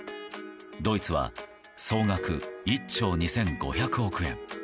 ドイツは総額１兆２５００億円。